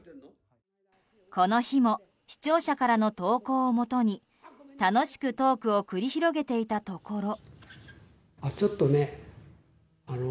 この日も視聴者からの投稿をもとに楽しくトークを繰り広げていたところ。